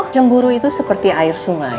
cemburu itu seperti air sungai